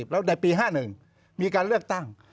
แล้วในปี๕๑มีการเลือกตั้ง